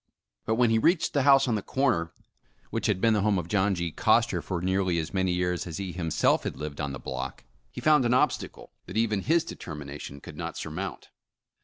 But when he reached the house on the corner, which had been the home of John G. Coster for nearly as many years as he himself had lived in the block, he found an obstacle that even his determination could not surmount.